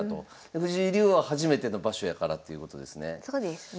藤井竜王は初めての場所やからということですね。